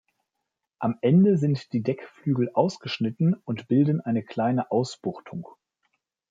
Am Ende sind die Deckflügel ausgeschnitten und bilden eine kleine Ausbuchtung.